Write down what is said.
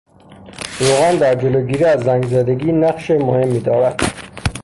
روغن در جلوگیری از زنگ زدگی نقش مهمی دارد.